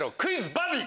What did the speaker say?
バディ！